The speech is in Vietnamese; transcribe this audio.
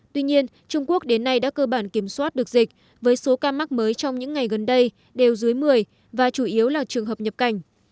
tuy nhiên trung quốc đến nay đã cơ bản kiểm soát được dịch với số ca mắc mới trong những ngày gần đây đều dưới một mươi và chủ yếu là trường hợp nhập cảnh